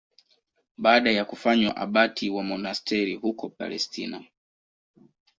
Baada ya kufanywa abati wa monasteri huko Palestina.